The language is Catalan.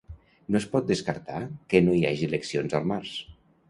No es pot descartar que no hi hagi eleccions al març.